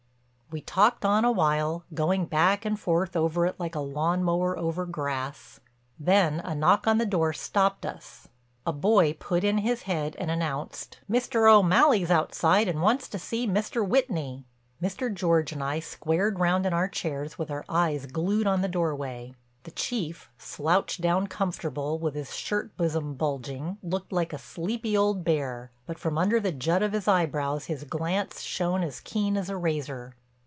We talked on a while, going back and forth over it like a lawn mower over grass. Then a knock on the door stopped us; a boy put in his head and announced: "Mr. O'Malley's outside and wants to see Mr. Whitney." Mr. George and I squared round in our chairs with our eyes glued on the doorway. The Chief, slouched down comfortable with his shirt bosom bulging, looked like a sleepy old bear, but from under the jut of his eyebrows his glance shone as keen as a razor.